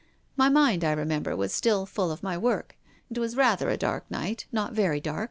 My mind, I re member, was still full of my work. It was rather a dark night, not very dark.